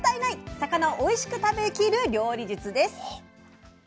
魚をおいしく食べきる料理術です。